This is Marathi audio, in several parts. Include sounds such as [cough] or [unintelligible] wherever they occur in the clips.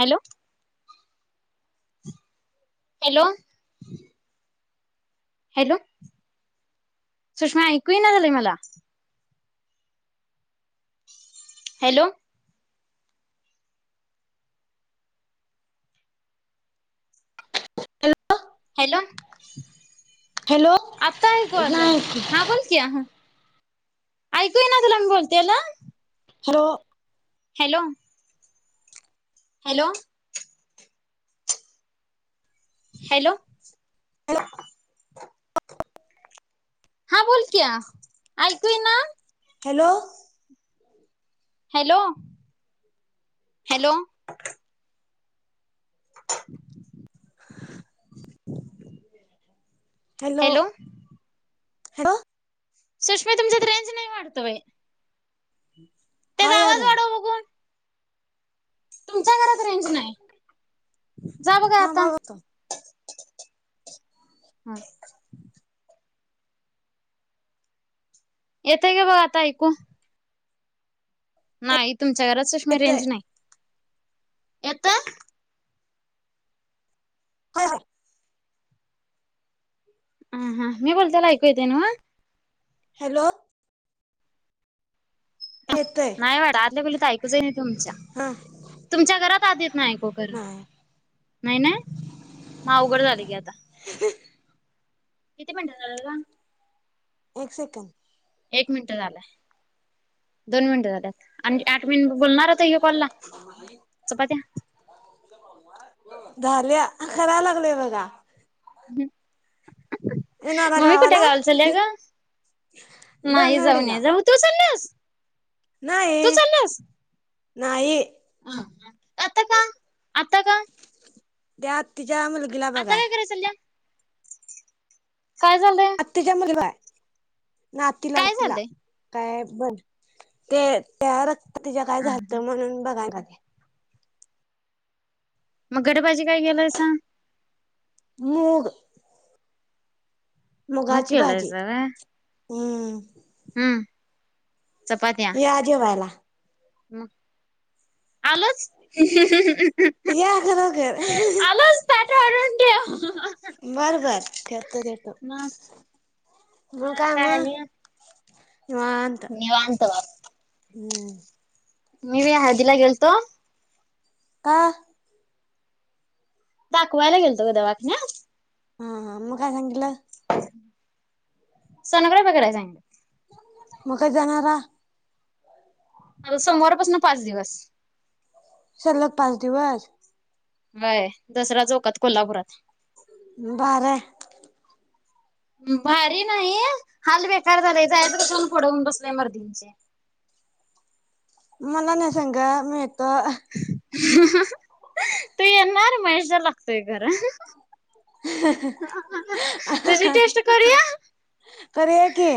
हॅलो. हॅलो. हॅलो सुषमा ऐकू येईना झालय मला हॅलो. Hello hello. हॅलो आता ऐकू आल नाही हा बोल की हा ऐकू येईना तुला मी बोलतेयला? हो. Hello hello. हॅलो हॅलो हा बोल की या ऐकू येईना हॅलो. Hello hello. हॅलो. ह सुषमा तुमच्यात रेंज नाय वाटतंय व्हय हाया रं. बघू तुमच्या घरात रेंज नाही. जा बघा थांबा आता बघतो येतय का बघा आता ऐकू? नाहीत तुमच्या घरात सुश्मे येतय रेंज नाही येतंय [inaudible] होय.. होय ह हा मी बोलतेल ऐकू येते नव्ह हॅलो येतय नाही वाडा आदल्या खोलीत तर ऐकूच आहे नाही तुमच्या हा तुमच्या घरात आत ना ऐकु नाही खरं नाही न म उवघड झाले की. आता किती मिनट झाला गं एक सेकंड एक मिनिट झालाय दोन मिनिट झाल्यात आणि आठ मिनट बोलणार आता या कॉल ला चपात्या [unintelligible] झाले कराय लागलोय बघा बिल मम्मी कुठे गावाला चालिया ग नाही? जाऊन दोनवडीला जाऊ तू चालल्यास? नाही तू चालीयास? नाही आता का! आता का? त्या आत्ती त्या मुलगीला आता बघाय काय कराय चालल्या काय झालंय आत्तीच्या मुली बघाय नातीला काय नातीला झालंय काय? बर ते तयार तिझा काय जालतं म्हणून बघाय आली. मग गडेबाजी काय गेलायसां मूग [inaudible] मुग मुगाची भाजी केलायसा व्हय? हम्म हम्म या जेवायला म आलोच [unintelligible] या खरोखर ताट वाढून ठेव बर बर ठेवतो ठेवतो मु काय म [unintelligible] निवांत ब [inaudible] हम्म मी होय हळदीला गेलतो का? दाखवायला गेलतो ओ दवाखान्यात. हा हा मग काय सांगितल? सोनोग्राफी करायला सांगितली मग कधी जाणारा आता सोमवारपासून पाच दिवस. सलग पाच दिवस व्हय दसरा चौकात कोल्हापुरात. भारी हाय. भारी नाही हाल बेकार झालय जायच कश्यान कोड होऊन बसलय मर्दींनीच्या. मला न्हे संग मी ये तू येणार? माझ्या चल तेही खरं. तुझी टेस्ट करूया? करूया की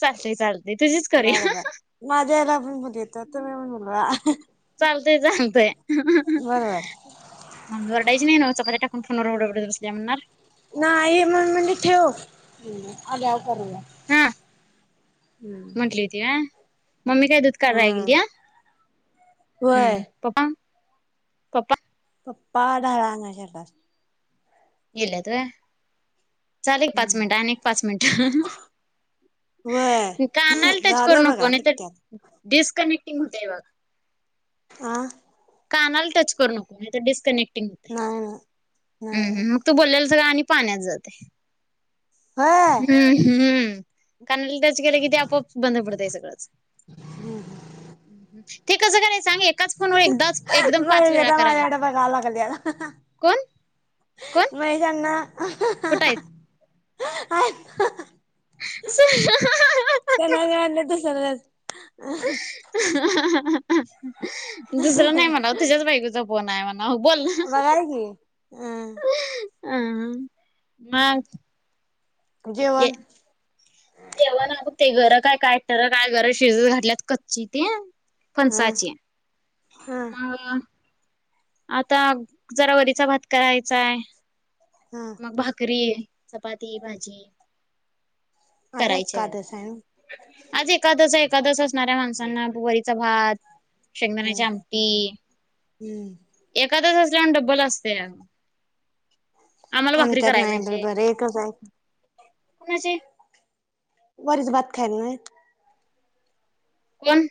चालतय, चालतं बर, बर माझ्या याला पण बोलावतो. तुम्ही पण बोलवा. [unintelligible] चालतय चालतय [unintelligible] बरोबर. यायची नाही नव्ह चपात्या टाकून फोनवर बडबडत बसल्या म्हणनार. नाही म्हणून मी म्हणलो ठेव आल्यावर करूया. हम्म म्हंटली ती व्ह मम्मी काय दूध हा काढायला गेल्या? होय हम्म. पप्पा? पप्पा पप्पा ढाळ आणायला गेलं अस गेल्यात होय? चालेल हम्म पाच मिनिट आणि एक पाच मिनिट कानाला व्हय टच करू झालं नको बघा नाही, कित्यात तर डिस्कनेक्ट तिन होतय बघा. आ? कानाला टच करू नको नाही तर डिस्कनेक्ट नाही नाही हं नाही हं, ‌ मग तू बोललेलं सगळं आणि पाण्यात जाते नाही हम्म हम्म कानाला टच केलं कि ते आपआप बंद पडतय सगळंच. ते कसं करायचं? सांग एकाच फोनवर एकदाच एकदम [unintelligible] पाच वेळा करायला माझ्याकड लागतंय बघावं लागल याला कोण म हे ज्यांना कुटयेत [unintelligible] [unintelligible] चला [unintelligible] दुसरं नाय म्हणाव तुझ्याच बायकोचा फोन हाय म्हणाव बोल बघाय [unintelligible] अहंह मग जेवन तेव्हा ना ब ते घरं काय काय टर काय घर काय शिजत घातल्यात कच्ची ते. हा फणसाचीए हा मं आता जरा वरीचा भात करायचांय. हा मग भाकरी. चपाती भाजी आज करायचेय एकादस आहे ना आज एकादस एकादसच नाऱ्या माणसांना वरीचा भात शेंगदाण्याची आमटी हम्म एकादस त्यानं डबल असतया आमक्यात नाय पण बरे एकच आहेत कुणाची वरीच भात खायला नायत कोन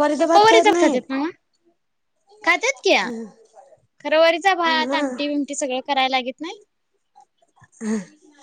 वरीचा भात पप्पावरीच खायत खातेत नाहीत ना खात्यात कीया खर वरीचा म भात आमटी बिमटी सगळ करायल लागीत नाय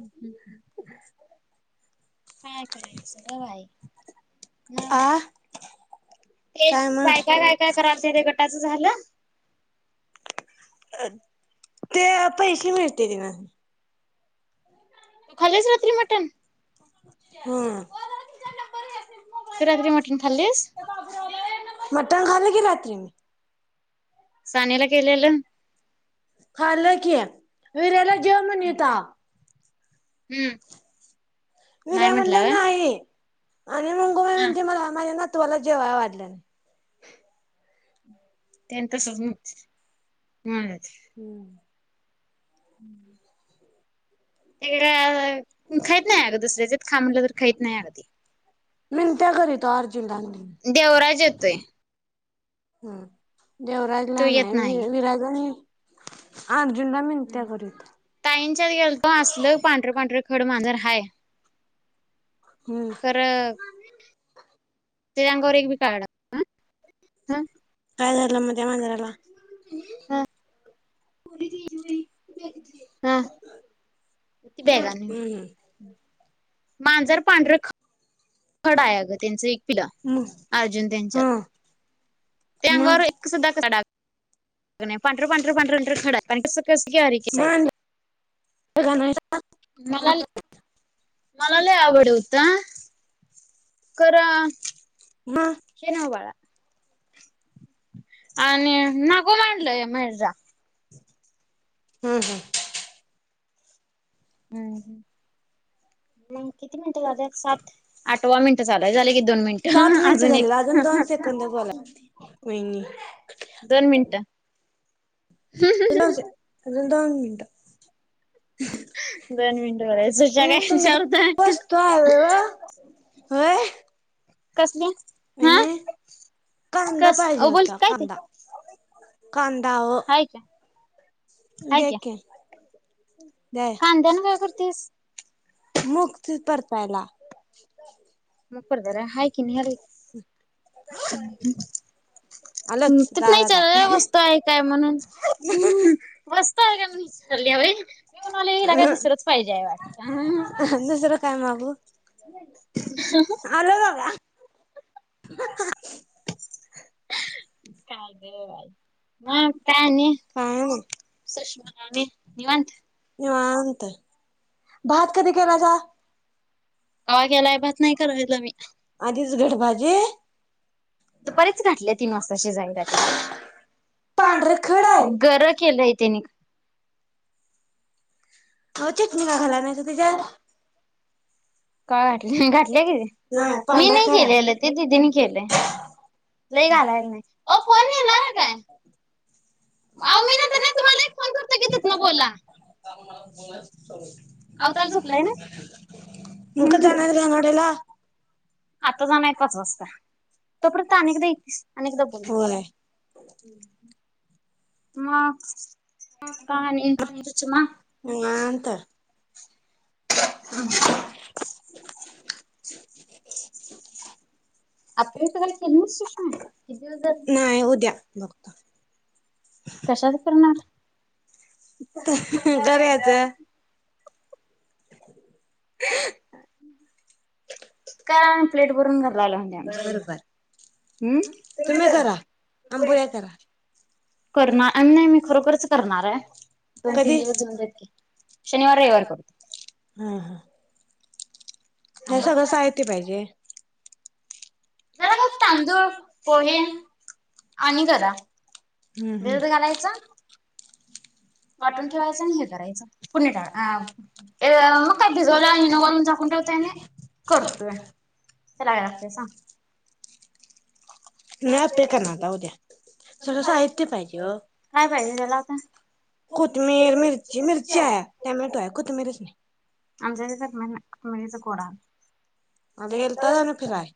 हम्म् हम् काय करायचं ग बाई मग आ तेच काय मग बायका बायका करायचं ते गटात तुझ झालं. अ ते पैशे मिळतेत न. तू खाल्लीस रात्री मटण? हम्म. तू रात्री मटण खाल्लीस? मटण खालं की रात्री मी. सानीला केलेलं. खालं कि, वीराला जेव म्हनीता. हम्म. नाही विऱ्या म्हणला नाई. आणि म हां. माझ्या नातवाला जेवाय वाढल्याल. तेनी तसंच म्हणत्यात. हम. हम्म. हम्म. ते काय खाइत नाई अग दुसऱ्याच्यात खां म्हटल, तर खाईत नाही अग ते. मिनत्या करीतो आर- [unintelligible] देवराज येतोय. हम्म. तो देवराजला येत नाही वि विराजला मी. आन. हम् ताईंच्यात गेलतो असलं पांढर, पांढर खड मांजार हाय. हम्म खरं अ. तेच्या अंगावर एक बी काळा डाग हा हम्. काय झाल म त्या मांजराला? हा. [unintelligible] हा. कीती ब्यागा? हम्म मांजर पांढरं ख खड हाय अगं. तेचं एक पिल हम्म. अर्जुन म त्यांच्यात. हा ते म अंगावर एक सूधा काळा डाग कणी पांढर पांढर पांढरखड हाय. म आन बघाय नाहीसा. मला मला लय आवड होता खरा म हम्म हे नव्ह बाळा. आणि नको म्हणलय माझा हम्म हम्म हम्म मग किती मिनिटं झाले सात आठवा मिनिटं झालाय झाले कि सात मिनिट झालेला अजून दोन सेकंद बोला. वहिनी दोन मिनिटं हुं हुं दोन से हुं....... अजून दोन मिनट दोन मिनिट बर सुश्या वहिनी काय तुमच्यात विचारतोय. वस्तू आहे व्हय होय कसल्या वाहिनी कांदा कस पाहिजे अ बोल होता काय ते कांदा कांंदा वो हाय क्या हाय क्या कांद्यान काय करतेस [unintelligible] पहिला [unintelligible] [unintelligible] [inaudible] आलंच दारात आहे येऊन आले हिला काय दुसरंच पाहिजेय वाटत हम्म्म आलो बघा... [unintelligible] म काय आणि काय नाही सुषमा आणि निवांत निवांत, भात कधी केलायसा गवा केलाय भात नाही करायला मी आधीच घट भाजी दुपारीच घातले तीन वाजता शिजायल पांढरे खड आहे गरं केलंय त्यानी ओ चटणी का घालण्यासं त्याच्यात.. काय घाटले की हा नाही मी पांढरा नाही खरा केलेलं ते दिदीनी केलेयं, लय घालायला अ कोण येणार हाय काय? अहो मी नंतर ना तुम्हाला एक फोन करतो की तिथनं बोला अवतार झोपलाय ना [unintelligible] आता जाणनं हाय पाच वाजता तोपर्यंत अनेकदी अनेकदा बोल होय म निवांत [inaudible] [inaudible] आपल्या इथं काल केली ना सुषमा किती दिवस झाले नाही हो द्या बघ...... कशाचं करणार? करायचं [unintelligible] काय प्लेट भरून घरला आला बर बर उं तुम्ही करा आंबोळ्या करा करणार नाही मी खरोखरच करणार आहे दोन तीन कधी दिवस जाऊ देत की शनिवार रविवार करतो..... हा हा हे थांबा सगळं साहित्य जरा पाहिजे.. त्याला मग तांदूळ पोहे आणि गरा हुं हुं भिजत घालायचा..... वाटून ठेवायचं आणि हे करायचं, पुरीला हा मग काय भिजवला नी वरून झाकून ठेवते आणि करतोय. राया सांग. मी आप्पे करणार आता उद्या स साहित्य पाहिजे ओ काय पाहिजे ओ कोतमीर, मिर्ची, मिर्ची हाया टमॅटो आहे कोतमीरच नाही. आमच्या [unintelligible] आ गेलता का नाय फिराय?